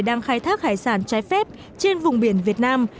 đang khai thác hải sản trái phép trên vùng biển việt nam